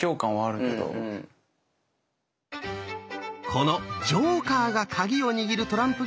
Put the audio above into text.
この「ジョーカー」が鍵を握るトランプ